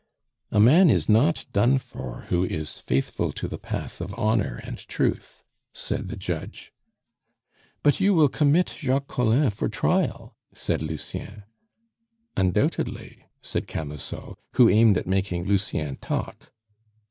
"A man is not done for who is faithful to the path of honor and truth," said the judge. "But you will commit Jacques Collin for trial?" said Lucien. "Undoubtedly," said Camusot, who aimed at making Lucien talk.